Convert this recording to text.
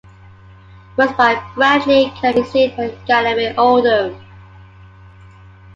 Works by Bradley can be seen at Gallery Oldham.